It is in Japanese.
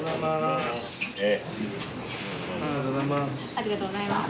ありがとうございます。